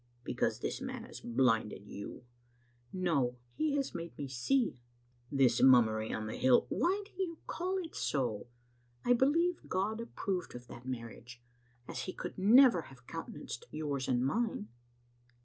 "" Because this man has blinded you." " No, he has made me see. "" This mummery on the hill "" Why do you call it so? I believe God approved of that marriage, as He could never have countenanced yours and mine.